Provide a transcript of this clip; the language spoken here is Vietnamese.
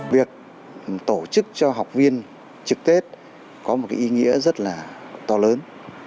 việc tổ chức cho học viên trực tết có một ý nghĩa rất là to lớn